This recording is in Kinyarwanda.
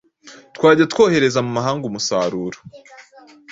twajya twohereza mu mahanga umusaruro